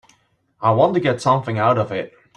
I want to get something out of it.